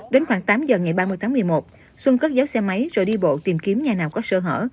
đến khoảng tám giờ ngày ba mươi tháng một mươi một xuân cất giấu xe máy rồi đi bộ tìm kiếm nhà nào có sơ hở